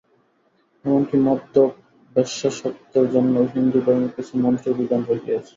এমন কি, মদ্যপ ও বেশ্যাসক্তের জন্যও হিন্দুধর্মে কিছু মন্ত্রের বিধান রহিয়াছে।